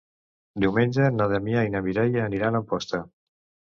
Diumenge na Damià i na Mireia aniran a Amposta.